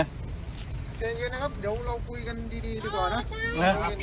ใจเย็นนะครับเดี๋ยวเราคุยกันดีดีกว่านะ